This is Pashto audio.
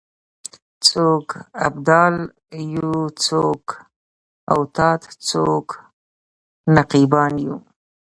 څوک ابدال یو څوک اوتاد څوک نقیبان یو